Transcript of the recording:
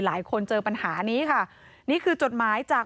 เจอปัญหานี้ค่ะนี่คือจดหมายจาก